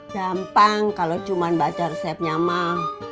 gampang kalau cuma baca resepnya mak